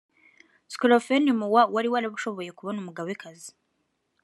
schloiferen mu wa wari warashoboye kubona umugabekazi